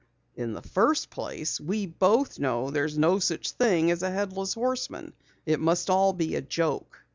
"In the first place we both know there's no such thing as a Headless Horseman. It must all be a joke."